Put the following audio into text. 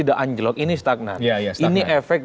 tidak anjlok ini stagnan ini efek